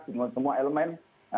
dengan semua elemen